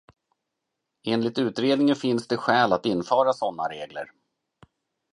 Enligt utredningen finns det skäl att införa sådana regler.